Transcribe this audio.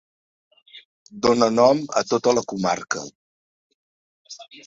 Dóna nom a tota la comarca.